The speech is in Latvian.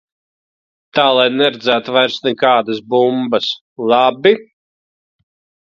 Tā lai neredzētu vairs nekādas bumbas, labi?